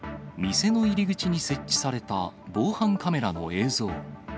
店の入り口に設置された防犯カメラの映像。